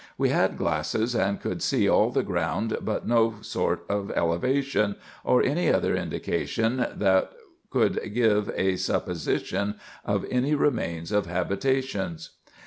We had glasses, and could see all the ground, but no sort of elevation, or any other indication tha* could give a supposition of any remains of habitations.